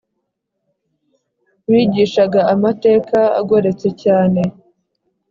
bigishaga amateka agoretse cyane